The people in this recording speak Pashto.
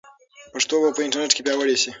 پښتو به په انټرنیټ کې پیاوړې شي.